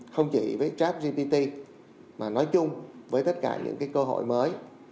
không chỉ với trách gbt mà nói chung với tất cả những cơ hội mới